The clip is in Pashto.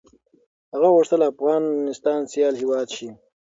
هغه غوښتل افغانستان سيال هېواد شي.